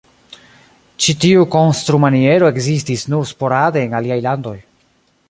Ĉi tiu konstrumaniero ekzistis nur sporade en aliaj landoj.